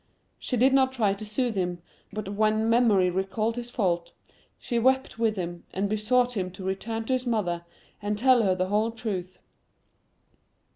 —She did not try to soothe him; but when Memory recalled his fault, she wept with him, and besought him to return to his mother, and tell her the whole truth.